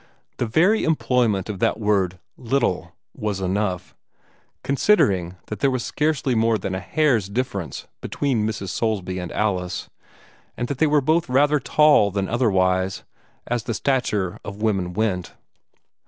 The very employment of that word "little" was enough, considering that there was scarcely more than a hair's difference between Mrs. Soulsby and Alice, and that they were both rather tall than otherwise, as the stature of women went.